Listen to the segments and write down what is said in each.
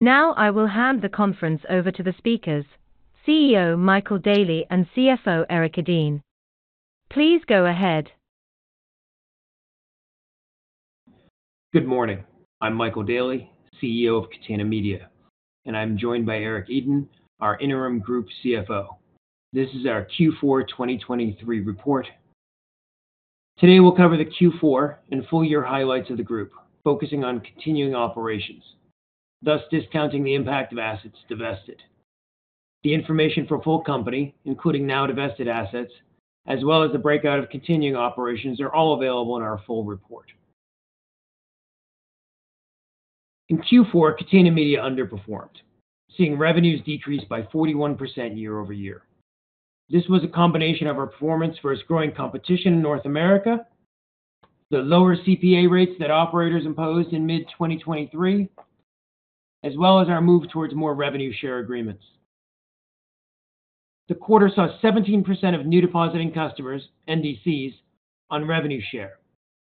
Now I will hand the conference over to the speakers, CEO Michael Daly and CFO Erik Edeen. Please go ahead. Good morning. I'm Michael Daly, CEO of Catena Media, and I'm joined by Erik Edeen, our interim Group CFO. This is our Q4 2023 report. Today, we'll cover the Q4 and full year highlights of the group, focusing on continuing operations, thus discounting the impact of assets divested. The information for full company, including now divested assets, as well as the breakout of continuing operations, are all available in our full report. In Q4, Catena Media underperformed, seeing revenues decrease by 41% year-over-year. This was a combination of our performance versus growing competition in North America, the lower CPA rates that operators imposed in mid-2023, as well as our move towards more revenue share agreements. The quarter saw 17% of new depositing customers, NDCs, on revenue share,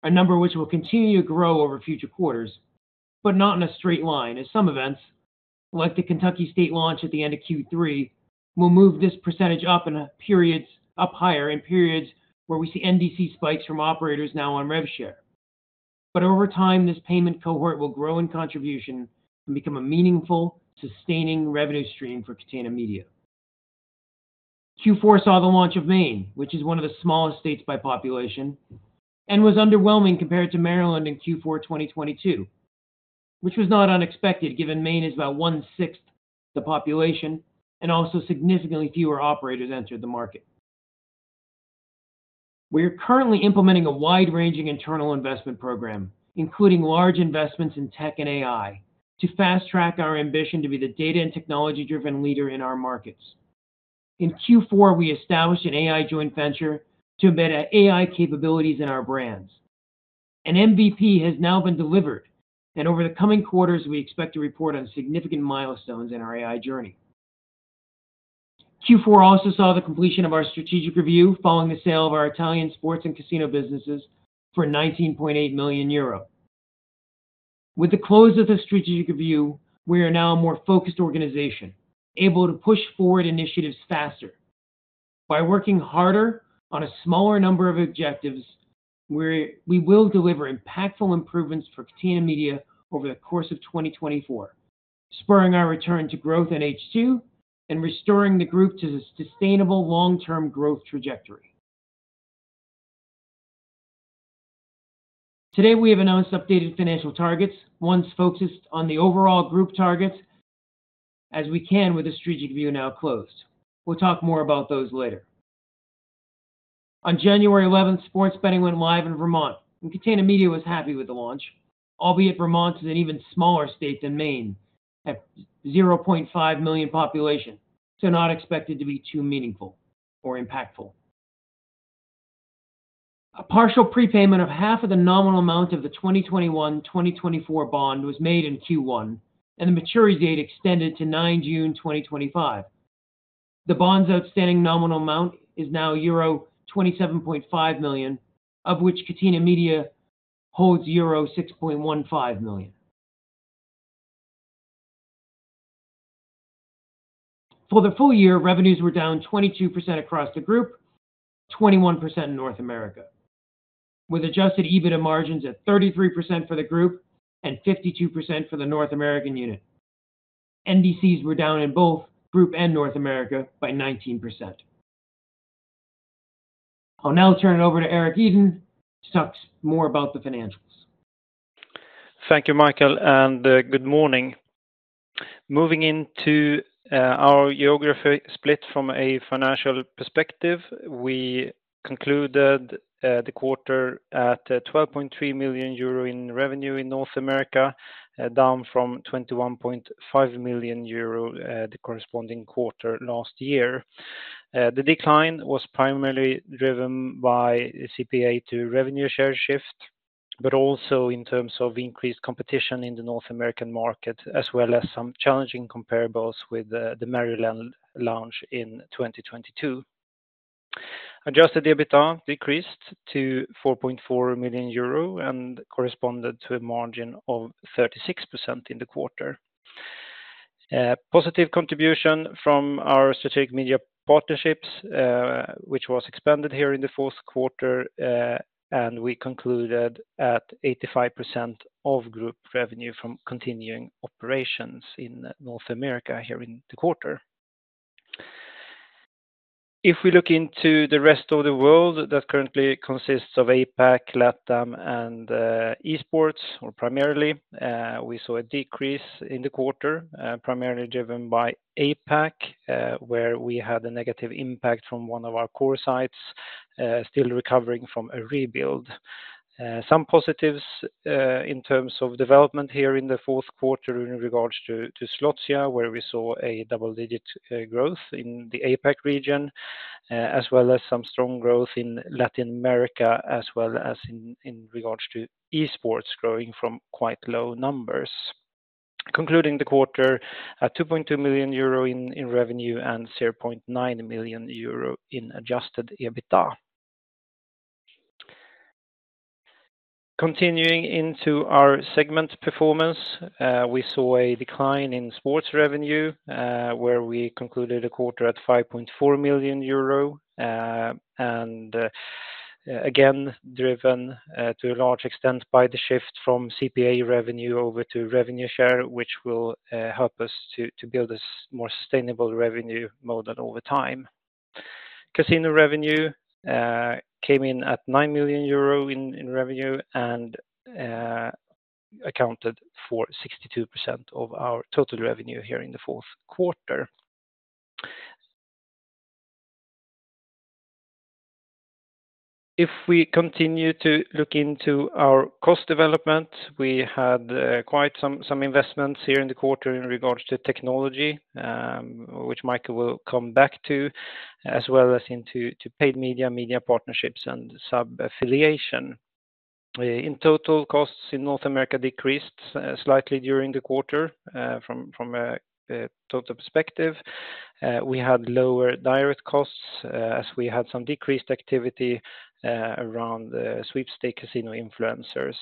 a number which will continue to grow over future quarters, but not in a straight line, as some events, like the Kentucky state launch at the end of Q3, will move this percentage up higher in periods where we see NDC spikes from operators now on rev share. But over time, this payment cohort will grow in contribution and become a meaningful, sustaining revenue stream for Catena Media. Q4 saw the launch of Maine, which is one of the smallest states by population, and was underwhelming compared to Maryland in Q4 2022, which was not unexpected, given Maine is about one-sixth the population and also significantly fewer operators entered the market. We are currently implementing a wide-ranging internal investment program, including large investments in tech and AI, to fast-track our ambition to be the data and technology-driven leader in our markets. In Q4, we established an AI joint venture to embed AI capabilities in our brands. An MVP has now been delivered, and over the coming quarters, we expect to report on significant milestones in our AI journey. Q4 also saw the completion of our strategic review, following the sale of our Italian sports and casino businesses for 19.8 million euro. With the close of the strategic review, we are now a more focused organization, able to push forward initiatives faster. By working harder on a smaller number of objectives, we will deliver impactful improvements for Catena Media over the course of 2024, spurring our return to growth in H2 and restoring the group to sustainable long-term growth trajectory. Today, we have announced updated financial targets, ones focused on the overall group targets as we can with the strategic view now closed. We'll talk more about those later. On January 11, sports betting went live in Vermont, and Catena Media was happy with the launch, albeit Vermont is an even smaller state than Maine, at 0.5 million population, so not expected to be too meaningful or impactful. A partial prepayment of half of the nominal amount of the 2021-2024 bond was made in Q1, and the maturity date extended to June 9, 2025. The bond's outstanding nominal amount is now euro 27.5 million, of which Catena Media holds euro 6.15 million. For the full year, revenues were down 22% across the group, 21% in North America, with Adjusted EBITDA margins at 33% for the group and 52% for the North American unit. NDCs were down in both Group and North America by 19%. I'll now turn it over to Erik Edeen, to talk more about the financials. Thank you, Michael, and good morning. Moving into our geography split from a financial perspective, we concluded the quarter at 12.3 million euro in revenue in North America, down from 21.5 million euro at the corresponding quarter last year. The decline was primarily driven by CPA to revenue share shift, but also in terms of increased competition in the North American market, as well as some challenging comparables with the Maryland launch in 2022. Adjusted EBITDA decreased to 4.4 million euro and corresponded to a margin of 36% in the quarter. Positive contribution from our strategic media partnerships, which was expanded here in the fourth quarter, and we concluded at 85% of group revenue from continuing operations in North America here in the quarter. If we look into the rest of the world, that currently consists of APAC, LATAM, and Esports, or primarily, we saw a decrease in the quarter, primarily driven by APAC, where we had a negative impact from one of our core sites, still recovering from a rebuild. Some positives, in terms of development here in the fourth quarter in regards to Slotsia, where we saw a double-digit growth in the APAC region, as well as some strong growth in Latin America, as well as in regards to Esports growing from quite low numbers. Concluding the quarter at 2.2 million euro in revenue and 0.9 million euro in Adjusted EBITDA. Continuing into our segment performance, we saw a decline in sports revenue, where we concluded a quarter at 5.4 million euro, and, again, driven to a large extent by the shift from CPA revenue over to revenue share, which will help us to build this more sustainable revenue model over time. Casino revenue came in at 9 million euro in revenue and accounted for 62% of our total revenue here in the fourth quarter. If we continue to look into our cost development, we had quite some investments here in the quarter in regards to technology, which Michael will come back to, as well as into paid media, media partnerships, and sub-affiliation. In total, costs in North America decreased slightly during the quarter, from a total perspective. We had lower direct costs, as we had some decreased activity around the sweepstakes casino influencers.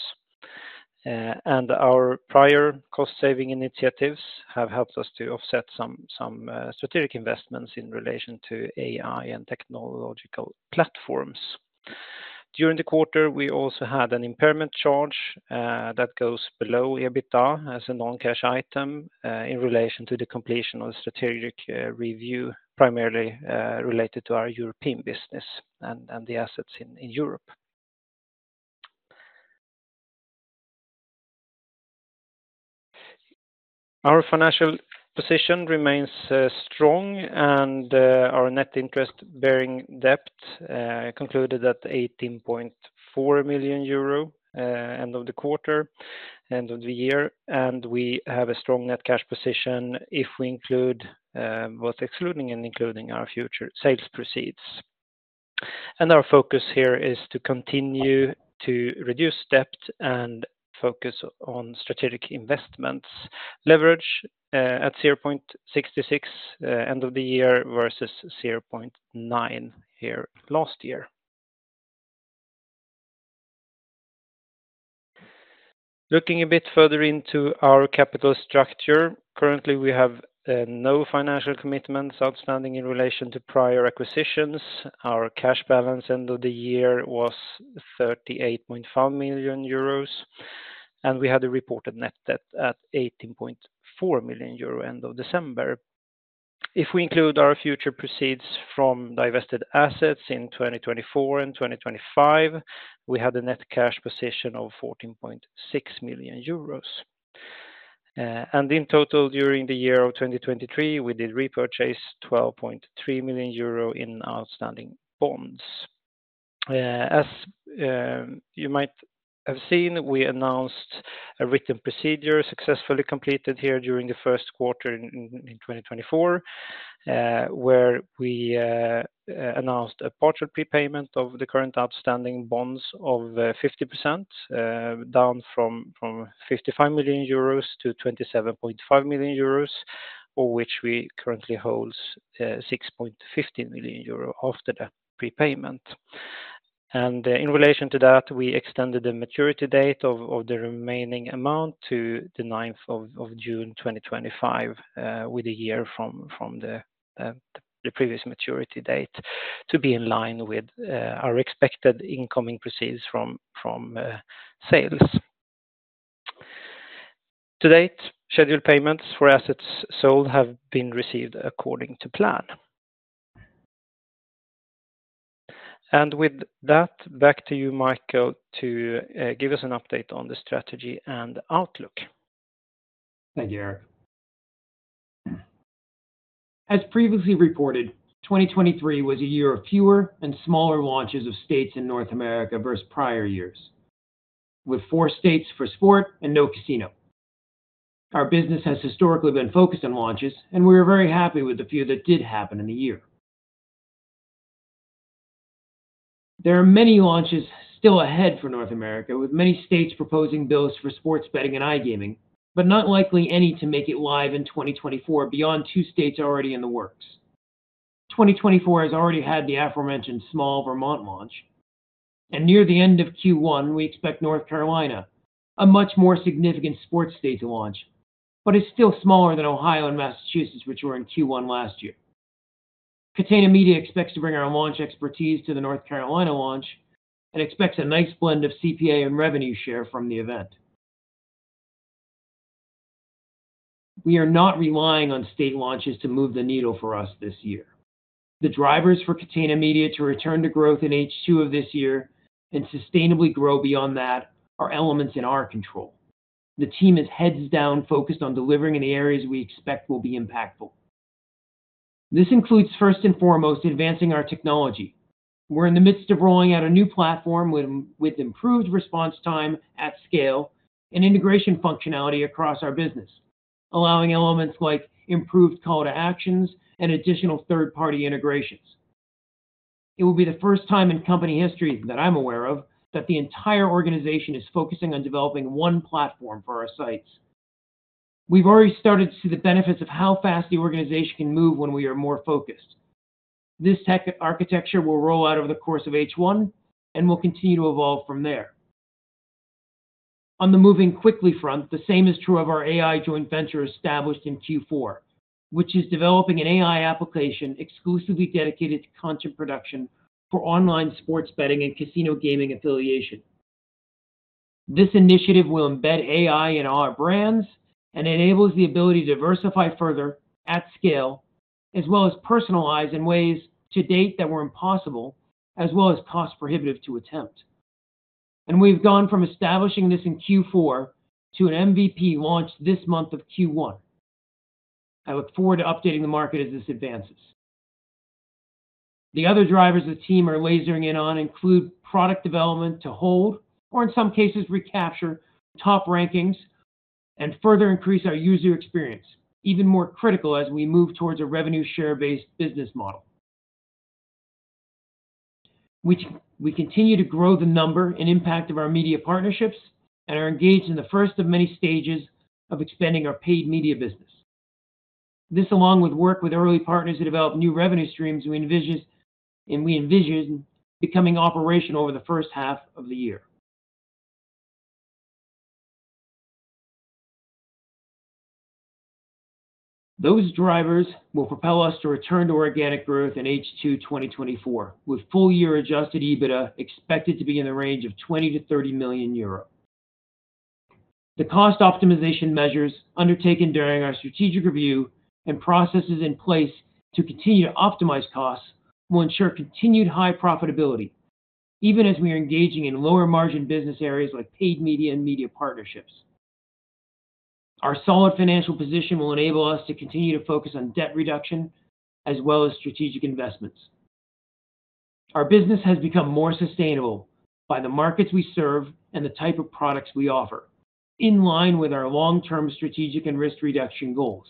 And our prior cost-saving initiatives have helped us to offset some strategic investments in relation to AI and technological platforms. During the quarter, we also had an impairment charge that goes below EBITDA as a non-cash item in relation to the completion of the strategic review, primarily related to our European business and the assets in Europe. Our financial position remains strong, and our net interest-bearing debt concluded at 18.4 million euro, end of the quarter, end of the year. And we have a strong net cash position if we include both excluding and including our future sales proceeds. And our focus here is to continue to reduce debt and focus on strategic investments. Leverage at 0.66 end of the year versus 0.9 here last year. Looking a bit further into our capital structure, currently, we have no financial commitments outstanding in relation to prior acquisitions. Our cash balance end of the year was 38.5 million euros, and we had a reported net debt at 18.4 million euro end of December. If we include our future proceeds from divested assets in 2024 and 2025, we had a net cash position of 14.6 million euros. In total, during the year of 2023, we did repurchase 12.3 million euro in outstanding bonds. As you might have seen, we announced a written procedure successfully completed here during the first quarter in 2024, where we announced a partial prepayment of the current outstanding bonds of 50%, down from 55 million euros to 27.5 million euros, or which we currently holds 6.50 million euros after that prepayment. In relation to that, we extended the maturity date of the remaining amount to the ninth of June 2025, with a year from the previous maturity date, to be in line with our expected incoming proceeds from sales. To date, scheduled payments for assets sold have been received according to plan. With that, back to you, Michael, to give us an update on the strategy and outlook. Thank you, Erik. As previously reported, 2023 was a year of fewer and smaller launches of states in North America versus prior years, with four states for sport and no casino. Our business has historically been focused on launches, and we were very happy with the few that did happen in the year. There are many launches still ahead for North America, with many states proposing bills for sports betting and iGaming, but not likely any to make it live in 2024 beyond two states already in the works. 2024 has already had the aforementioned small Vermont launch, and near the end of Q1, we expect North Carolina, a much more significant sports state, to launch, but it's still smaller than Ohio and Massachusetts, which were in Q1 last year. Catena Media expects to bring our launch expertise to the North Carolina launch and expects a nice blend of CPA and revenue share from the event. We are not relying on state launches to move the needle for us this year. The drivers for Catena Media to return to growth in H2 of this year and sustainably grow beyond that are elements in our control. The team is heads down, focused on delivering in the areas we expect will be impactful. This includes, first and foremost, advancing our technology. We're in the midst of rolling out a new platform with improved response time at scale and integration functionality across our business, allowing elements like improved call to actions and additional third-party integrations. It will be the first time in company history, that I'm aware of, that the entire organization is focusing on developing one platform for our sites. We've already started to see the benefits of how fast the organization can move when we are more focused. This tech architecture will roll out over the course of H1 and will continue to evolve from there. On the moving quickly front, the same is true of our AI joint venture established in Q4, which is developing an AI application exclusively dedicated to content production for online sports betting and casino gaming affiliation. This initiative will embed AI in all our brands and enables the ability to diversify further at scale, as well as personalize in ways to date that were impossible, as well as cost prohibitive to attempt. And we've gone from establishing this in Q4 to an MVP launch this month of Q1. I look forward to updating the market as this advances. The other drivers the team are lasering in on include product development to hold, or in some cases, recapture top rankings and further increase our user experience, even more critical as we move towards a revenue share-based business model, which we continue to grow the number and impact of our media partnerships and are engaged in the first of many stages of expanding our paid media business. This, along with work with early partners to develop new revenue streams, we envision, and we envision becoming operational over the first half of the year. Those drivers will propel us to return to organic growth in H2 2024, with full year Adjusted EBITDA expected to be in the range of 20 million-30 million euro. The cost optimization measures undertaken during our strategic review and processes in place to continue to optimize costs will ensure continued high profitability, even as we are engaging in lower margin business areas like paid media and media partnerships. Our solid financial position will enable us to continue to focus on debt reduction as well as strategic investments. Our business has become more sustainable by the markets we serve and the type of products we offer, in line with our long-term strategic and risk reduction goals.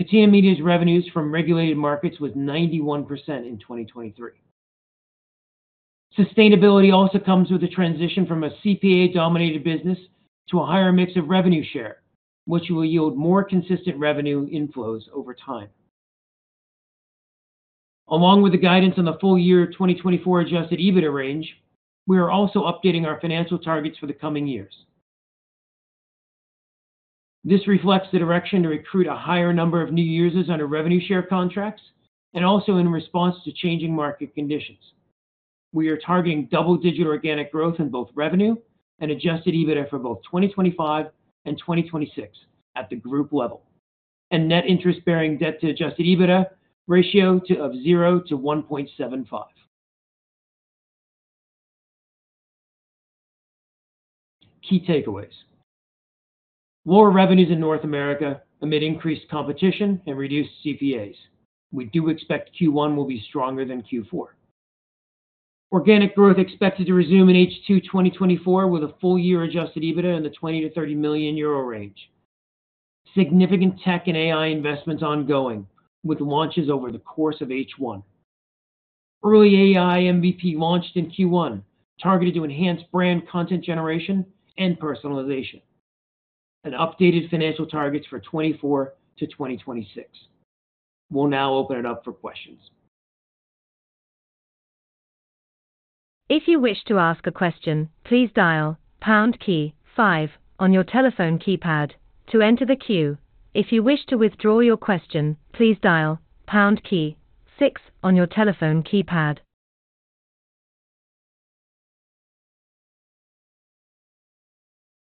Catena Media's revenues from regulated markets was 91% in 2023. Sustainability also comes with a transition from a CPA-dominated business to a higher mix of revenue share, which will yield more consistent revenue inflows over time. Along with the guidance on the full year 2024 Adjusted EBITDA range, we are also updating our financial targets for the coming years. This reflects the direction to recruit a higher number of new users under Revenue Share contracts and also in response to changing market conditions. We are targeting double-digit organic growth in both revenue and Adjusted EBITDA for both 2025 and 2026 at the group level, and net interest-bearing debt to Adjusted EBITDA ratio of 0-1.75. Key takeaways. Lower revenues in North America amid increased competition and reduced CPAs. We do expect Q1 will be stronger than Q4. Organic growth expected to resume in H2 2024, with a full-year Adjusted EBITDA in the 20-30 million euro range. Significant tech and AI investments ongoing, with launches over the course of H1. Early AI MVP launched in Q1, targeted to enhance brand content generation and personalization. Updated financial targets for 2024-2026. We'll now open it up for questions. If you wish to ask a question, please dial pound key five on your telephone keypad to enter the queue. If you wish to withdraw your question, please dial pound key six on your telephone keypad.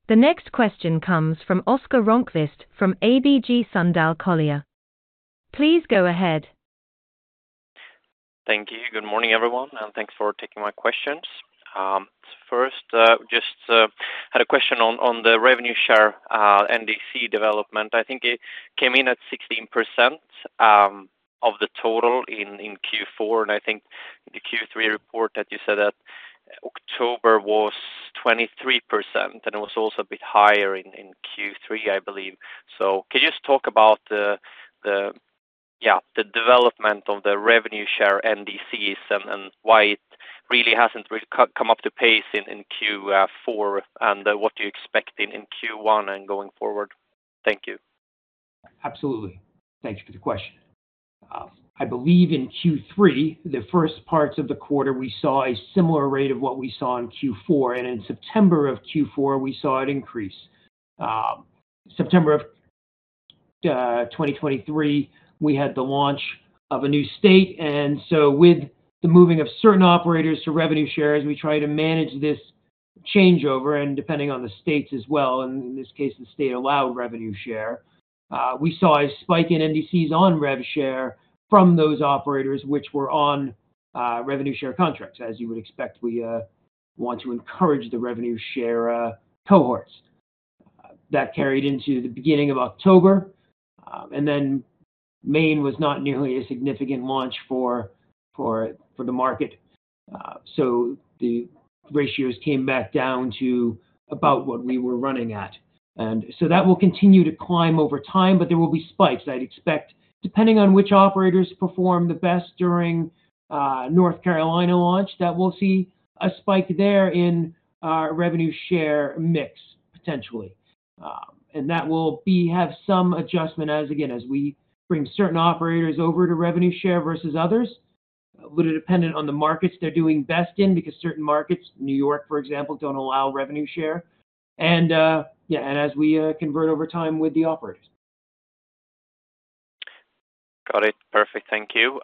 The next question comes from Oscar Rönnkvist from ABG Sundal Collier. Please go ahead. Thank you. Good morning, everyone, and thanks for taking my questions. First, just had a question on the revenue share NDC development. I think it came in at 16% of the total in Q4, and I think the Q3 report that you said that October was 23%, and it was also a bit higher in Q3, I believe. So can you just talk about the development of the revenue share NDCs and why it really hasn't come up to pace in Q4, and what are you expecting in Q1 and going forward? Thank you. Absolutely. Thanks for the question. I believe in Q3, the first parts of the quarter, we saw a similar rate of what we saw in Q4, and in September of Q4, we saw it increase. September 2023, we had the launch of a new state, and so with the moving of certain operators to revenue shares, we try to manage this changeover and depending on the states as well, and in this case, the state allowed revenue share. We saw a spike in NDCs on rev share from those operators which were on revenue share contracts. As you would expect, we want to encourage the revenue share cohorts. That carried into the beginning of October, and then Maine was not nearly a significant launch for the market. So the ratios came back down to about what we were running at. And so that will continue to climb over time, but there will be spikes. I'd expect depending on which operators perform the best during North Carolina launch, that we'll see a spike there in our revenue share mix, potentially. And that will have some adjustment as again as we bring certain operators over to revenue share versus others, but dependent on the markets they're doing best in, because certain markets, New York, for example, don't allow revenue share. And yeah, and as we convert over time with the operators. Got it. Perfect. Thank you.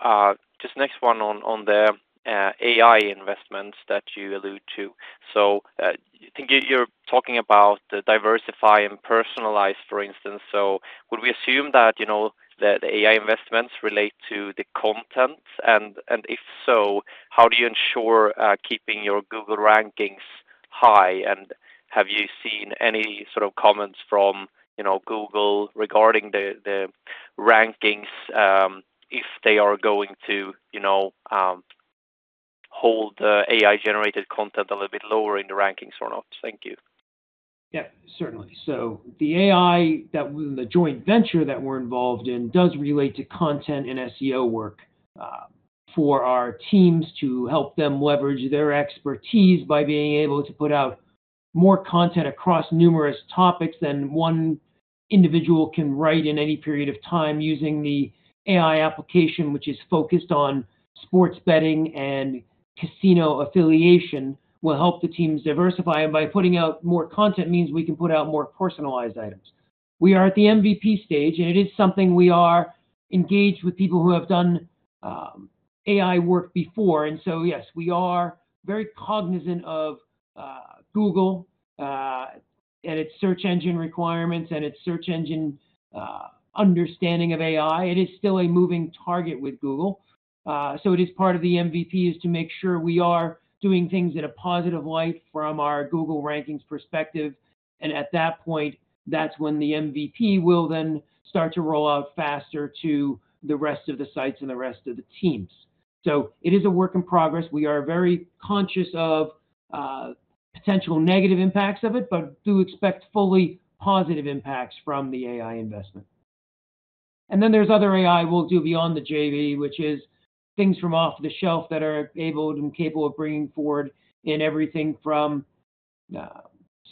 Just next one on the AI investments that you allude to. So, I think you're talking about the diversify and personalize, for instance. So would we assume that, you know, that AI investments relate to the content? And if so, how do you ensure keeping your Google rankings high? And have you seen any sort of comments from, you know, Google regarding the rankings, if they are going to, you know, hold the AI-generated content a little bit lower in the rankings or not? Thank you. Yeah, certainly. So the AI, that the joint venture that we're involved in, does relate to content and SEO work, for our teams to help them leverage their expertise by being able to put out more content across numerous topics than one individual can write in any period of time. Using the AI application, which is focused on sports betting and casino affiliation, will help the teams diversify. And by putting out more content means we can put out more personalized items. We are at the MVP stage, and it is something we are engaged with people who have done, AI work before, and so, yes, we are very cognizant of, Google, and its search engine requirements and its search engine, understanding of AI. It is still a moving target with Google. So it is part of the MVP, is to make sure we are doing things in a positive light from our Google rankings perspective, and at that point, that's when the MVP will then start to roll out faster to the rest of the sites and the rest of the teams. So it is a work in progress. We are very conscious of potential negative impacts of it, but do expect fully positive impacts from the AI investment. And then there's other AI we'll do beyond the JV, which is things from off the shelf that are able and capable of bringing forward in everything from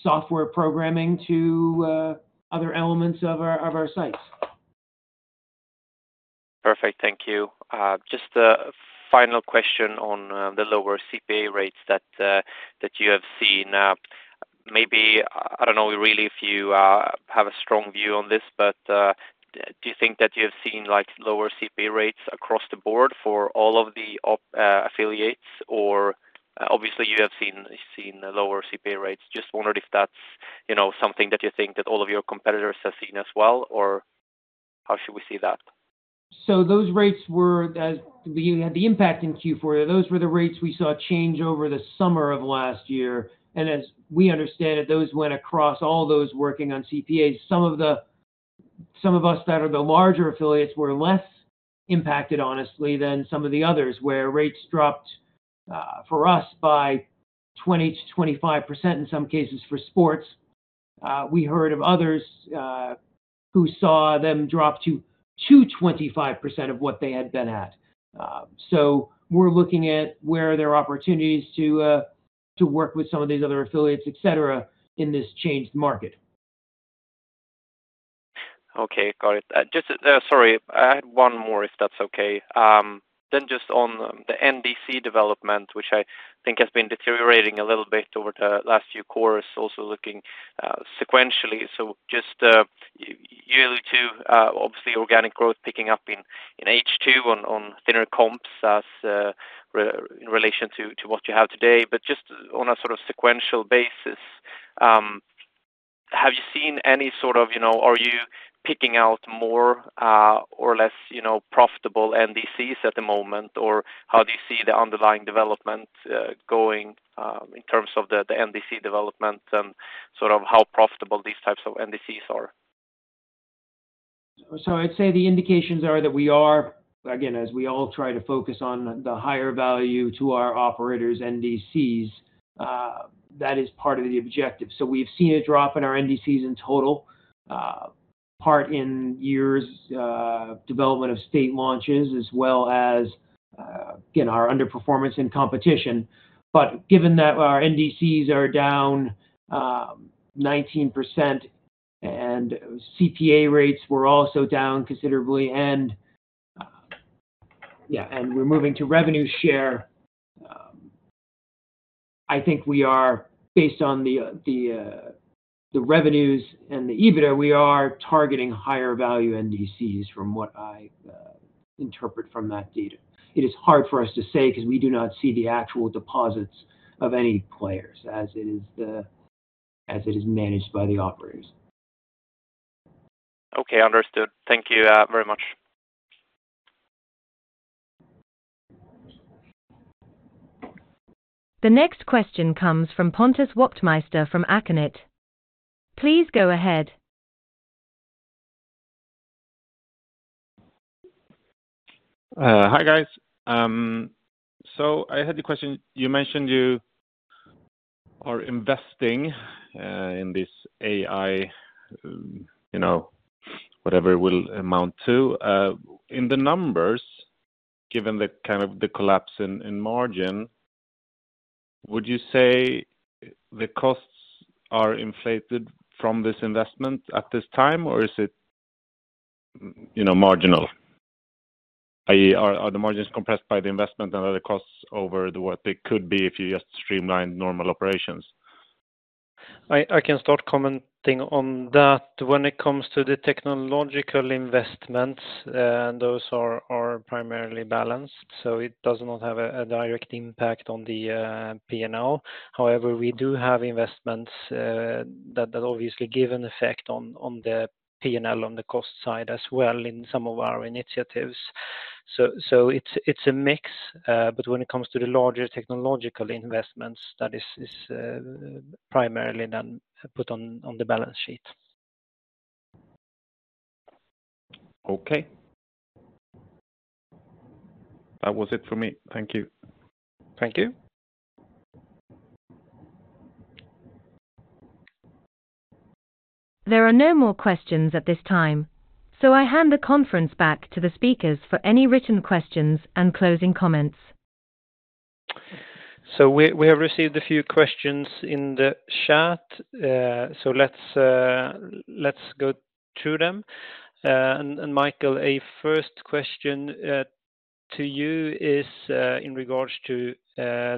software programming to other elements of our sites. Perfect. Thank you. Just a final question on the lower CPA rates that you have seen. Maybe, I don't know, really, if you have a strong view on this, but do you think that you have seen, like, lower CPA rates across the board for all of the our affiliates? Or obviously, you have seen lower CPA rates. Just wondered if that's, you know, something that you think that all of your competitors have seen as well, or how should we see that? So those rates were, as we had the impact in Q4, those were the rates we saw change over the summer of last year. And as we understand it, those went across all those working on CPAs. Some of us that are the larger affiliates were less impacted, honestly, than some of the others, where rates dropped for us by 20-25%, in some cases for sports. We heard of others who saw them drop to 25% of what they had been at. So we're looking at where there are opportunities to work with some of these other affiliates, et cetera, in this changed market. Okay, got it. Just, sorry, I had one more, if that's okay. Then just on the NDC development, which I think has been deteriorating a little bit over the last few quarters, also looking sequentially. So just year-to-year, obviously organic growth picking up in H2 on thinner comps as in relation to what you have today. But just on a sort of sequential basis, have you seen any sort of, you know... Are you picking out more or less, you know, profitable NDCs at the moment? Or how do you see the underlying development going in terms of the NDC development and sort of how profitable these types of NDCs are? So I'd say the indications are that we are, again, as we all try to focus on the higher value to our operators NDCs, that is part of the objective. So we've seen a drop in our NDCs in total, part in years development of state launches, as well as, again, our underperformance in competition. But given that our NDCs are down 19% and CPA rates were also down considerably, and we're moving to revenue share, I think we are, based on the revenues and the EBITDA, we are targeting higher value NDCs from what I interpret from that data. It is hard for us to say because we do not see the actual deposits of any players as it is managed by the operators. Okay, understood. Thank you, very much. The next question comes from Pontus Wachtmeister, from Alcur Fonder. Please go ahead. Hi, guys. So I had a question. You mentioned you are investing in this AI, you know, whatever it will amount to. In the numbers, given the kind of the collapse in margin, would you say the costs are inflated from this investment at this time, or is it, you know, marginal? I.e., are the margins compressed by the investment and other costs over what they could be if you just streamlined normal operations? I can start commenting on that. When it comes to the technological investments, those are primarily balanced, so it does not have a direct impact on the PNL. However, we do have investments that obviously give an effect on the PNL, on the cost side as well in some of our initiatives. So it's a mix, but when it comes to the larger technological investments, that is primarily then put on the balance sheet. Okay. That was it for me. Thank you. Thank you. There are no more questions at this time, so I hand the conference back to the speakers for any written questions and closing comments. So we have received a few questions in the chat. So let's go through them. And Michael, a first question to you is in regards to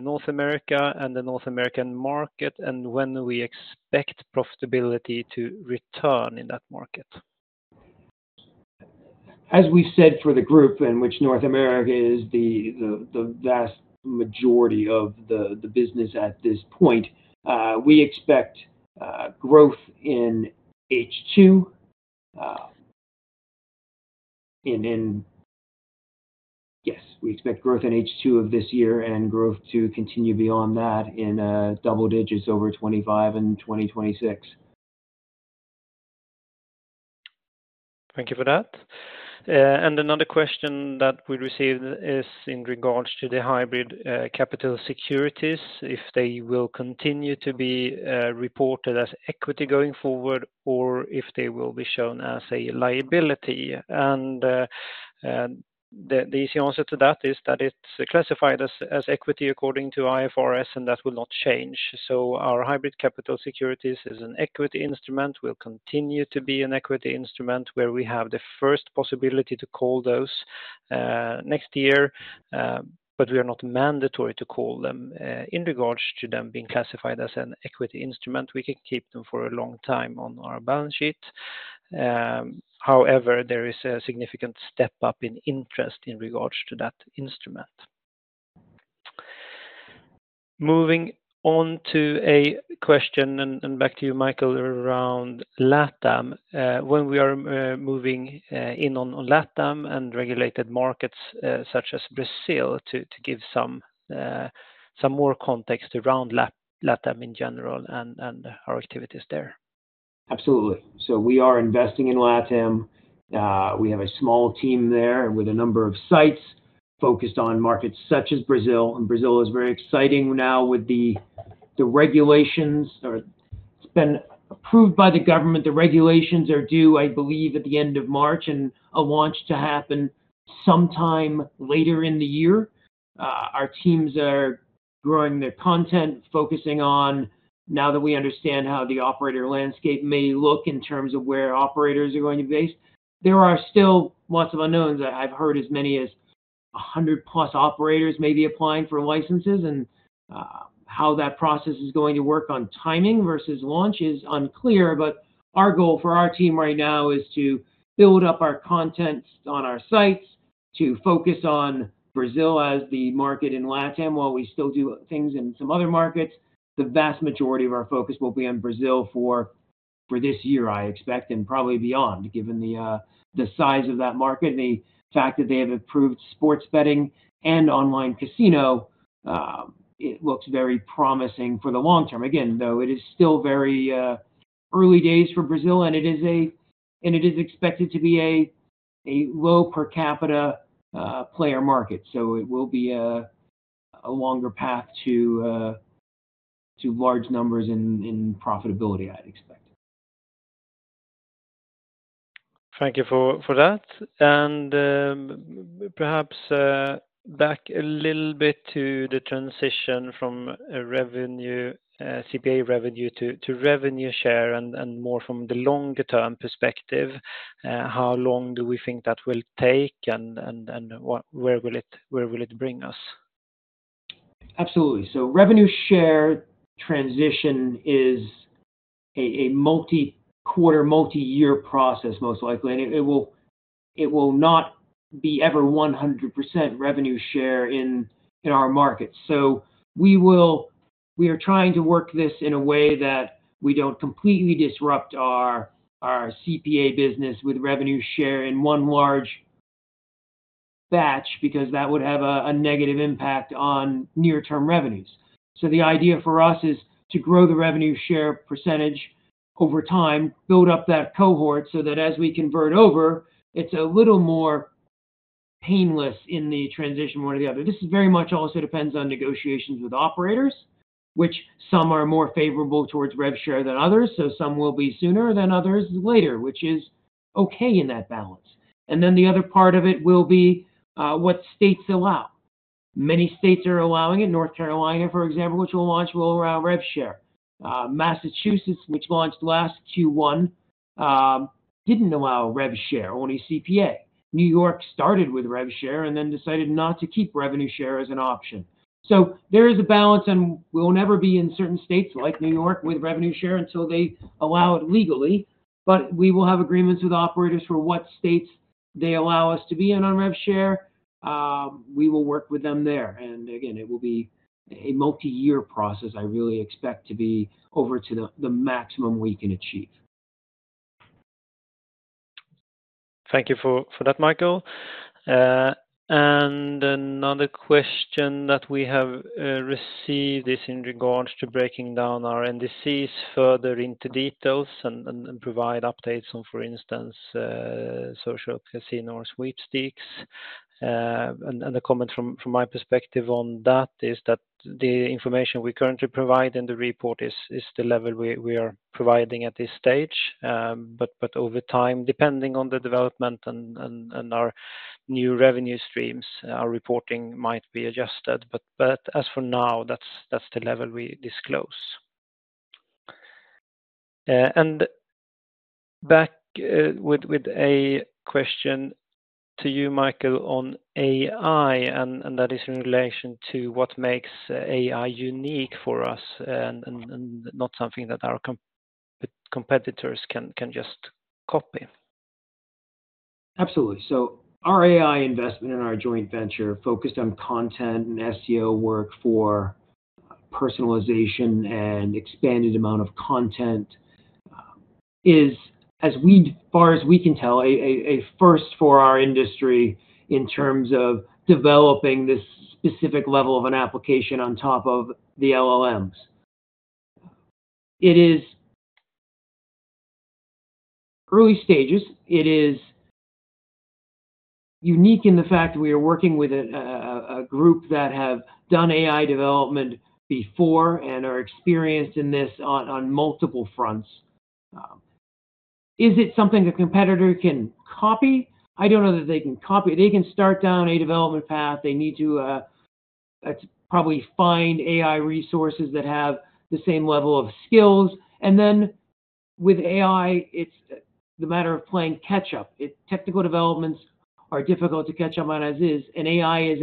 North America and the North American market, and when do we expect profitability to return in that market? As we said, for the group in which North America is the vast majority of the business at this point, we expect growth in H2. Yes, we expect growth in H2 of this year and growth to continue beyond that in double digits over 2025 and 2026. Thank you for that. And another question that we received is in regards to the hybrid capital securities, if they will continue to be reported as equity going forward or if they will be shown as a liability. The easy answer to that is that it's classified as equity according to IFRS, and that will not change. So our hybrid capital securities is an equity instrument, will continue to be an equity instrument where we have the first possibility to call those next year, but we are not mandatory to call them. In regards to them being classified as an equity instrument, we can keep them for a long time on our balance sheet. However, there is a significant step up in interest in regards to that instrument. Moving on to a question and back to you, Michael, around LATAM. When we are moving in on LATAM and regulated markets such as Brazil, to give some more context around LATAM in general and our activities there. Absolutely. So we are investing in LATAM. We have a small team there with a number of sites focused on markets such as Brazil, and Brazil is very exciting now with the regulations. It's been approved by the government. The regulations are due, I believe, at the end of March, and a launch to happen sometime later in the year. Our teams are growing their content, focusing on, now that we understand how the operator landscape may look in terms of where operators are going to be based. There are still lots of unknowns. I've heard as many as 100+ operators may be applying for licenses, and how that process is going to work on timing versus launch is unclear. But our goal for our team right now is to build up our content on our sites, to focus on Brazil as the market in LATAM. While we still do things in some other markets, the vast majority of our focus will be on Brazil for this year, I expect, and probably beyond, given the size of that market and the fact that they have improved sports betting and online casino; it looks very promising for the long term. Again, though, it is still very early days for Brazil, and it is expected to be a low per capita player market. So it will be a longer path to large numbers in profitability, I'd expect. Thank you for that. And perhaps back a little bit to the transition from CPA revenue to revenue share and where will it bring us? Absolutely. So revenue share transition is a multi-quarter, multi-year process, most likely. And it will not be ever 100% revenue share in our markets. So we are trying to work this in a way that we don't completely disrupt our CPA business with revenue share in one large batch, because that would have a negative impact on near-term revenues. So the idea for us is to grow the revenue share percentage over time, build up that cohort, so that as we convert over, it's a little more painless in the transition, one or the other. This is very much also depends on negotiations with operators, which some are more favorable towards rev share than others, so some will be sooner than others, later, which is okay in that balance. And then the other part of it will be what states allow. Many states are allowing it. North Carolina, for example, which will launch, will allow rev share. Massachusetts, which launched last Q1, didn't allow rev share, only CPA. New York started with rev share and then decided not to keep revenue share as an option. So there is a balance, and we will never be in certain states like New York with revenue share until they allow it legally, but we will have agreements with operators for what states they allow us to be in on rev share. We will work with them there, and again, it will be a multi-year process I really expect to be over to the maximum we can achieve. Thank you for that, Michael. And another question that we have received is in regards to breaking down our NDCs further into details and provide updates on, for instance, social casino or sweepstakes. And a comment from my perspective on that is that the information we currently provide in the report is the level we are providing at this stage. Over time, depending on the development and our new revenue streams, our reporting might be adjusted. As for now, that's the level we disclose. And back with a question to you, Michael, on AI, and that is in relation to what makes AI unique for us and not something that our competitors can just copy. Absolutely. So our AI investment in our joint venture focused on content and SEO work for personalization and expanded amount of content is, as far as we can tell, a first for our industry in terms of developing this specific level of an application on top of the LLMs. It is early stages. It is unique in the fact that we are working with a group that have done AI development before and are experienced in this on multiple fronts. Is it something a competitor can copy? I don't know that they can copy. They can start down a development path. They need to probably find AI resources that have the same level of skills. And then with AI, it's the matter of playing catch-up. It... Technical developments are difficult to catch up on as is, and AI is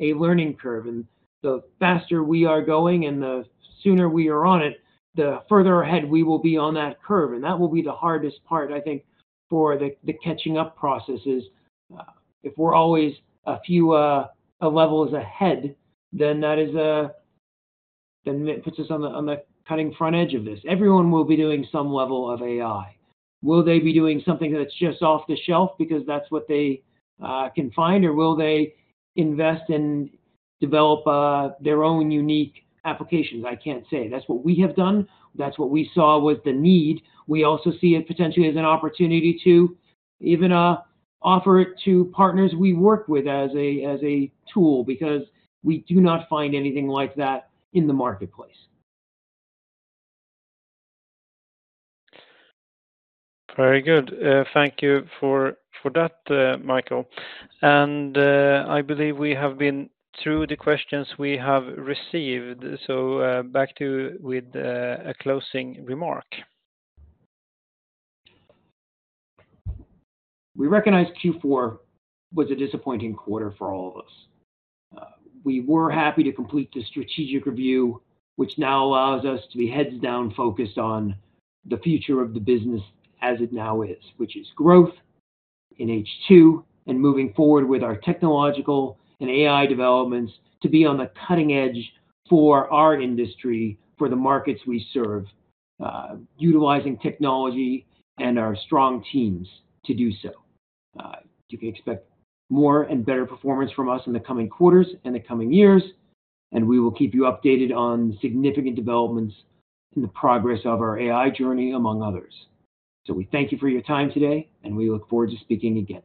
a learning curve, and the faster we are going and the sooner we are on it, the further ahead we will be on that curve. That will be the hardest part, I think, for the catching up processes. If we're always a few levels ahead, then it puts us on the cutting front edge of this. Everyone will be doing some level of AI. Will they be doing something that's just off the shelf because that's what they can find, or will they invest and develop their own unique applications? I can't say. That's what we have done. That's what we saw was the need. We also see it potentially as an opportunity to even offer it to partners we work with as a tool, because we do not find anything like that in the marketplace. Very good. Thank you for, for that, Michael. I believe we have been through the questions we have received, so back to you with a closing remark. We recognize Q4 was a disappointing quarter for all of us. We were happy to complete the strategic review, which now allows us to be heads down, focused on the future of the business as it now is, which is growth in H2 and moving forward with our technological and AI developments to be on the cutting edge for our industry, for the markets we serve, utilizing technology and our strong teams to do so. You can expect more and better performance from us in the coming quarters and the coming years, and we will keep you updated on significant developments in the progress of our AI journey, among others. So we thank you for your time today, and we look forward to speaking again.